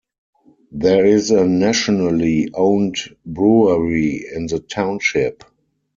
There is a nationally owned brewery in the township.